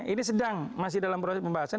ini sedang masih dalam proses pembahasan